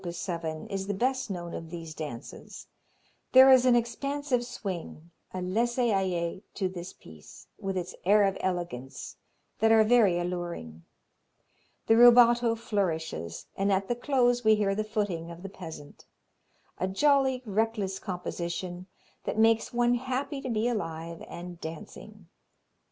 7 is the best known of these dances. There is an expansive swing, a laissez aller to this piece, with its air of elegance, that are very alluring. The rubato flourishes, and at the close we hear the footing of the peasant. A jolly, reckless composition that makes one happy to be alive and dancing.